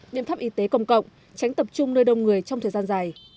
biện pháp y tế công cộng tránh tập trung nơi đông người trong thời gian dài